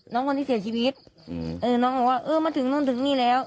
น้องคนที่เสียชีวิตอืมเออน้องบอกว่าเออมาถึงนู่นถึงนี่แล้ว